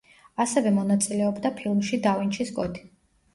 ასევე მონაწილეობდა ფილმში „და ვინჩის კოდი“.